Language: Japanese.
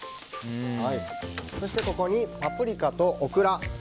そして、ここにパプリカとオクラ。